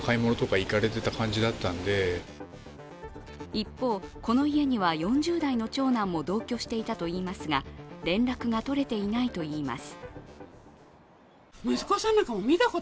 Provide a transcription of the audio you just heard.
一方、この家には４０代の長男も同居していたといいますが、連絡が取れていないといいます。